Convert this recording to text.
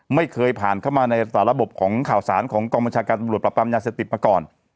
ไม่เคยผ่านเข้ามาในสารบของข่าวสารของกองบัญชาการตำรวจปรับปรามยาเสพติดมาก่อน